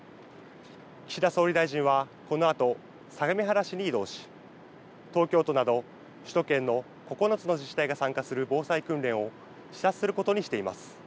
岸田総理大臣はこのあと相模原市に移動し東京都など首都圏の９つの自治体が参加する防災訓練を視察することにしています。